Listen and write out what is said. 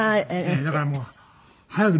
だからもう早く見たい。